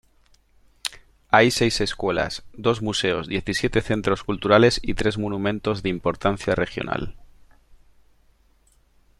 Hay seis escuelas, dos museos, diecisiete centros culturales y tres monumentos de importancia regional.